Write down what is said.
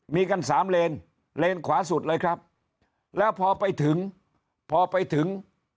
มีกันสามเลนเลนขวาสุดเลยครับแล้วพอไปถึงพอไปถึง